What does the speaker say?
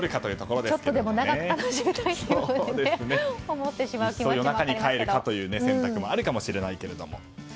いっそ夜中に帰るという選択もあるかもしれないけれども。